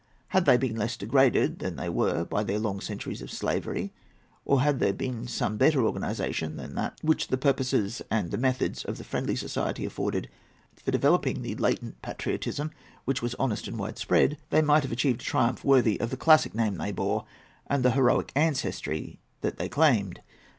Had they been less degraded than they were by their long centuries of slavery, or had there been some better organization than that which the purposes and the methods of the Friendly Society afforded for developing the latent patriotism which was honest and wide spread, they might have achieved a triumph worthy of the classic name they bore and the heroic ancestry that they claimed.